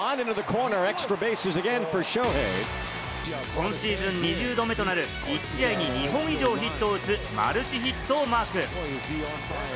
今シーズン２０度目となる１試合に２本以上ヒットするマルチヒットをマーク。